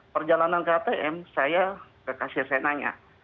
perjalanan ke atm saya ke kasir saya nanya